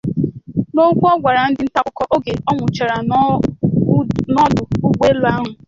N'okwu ọ gwara ndị nta akụkọ oge ọ wụchara n'ọdụ ụgbọelu ahụ